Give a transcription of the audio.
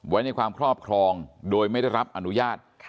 ไว้ในความครอบครองโดยไม่ได้รับอนุญาต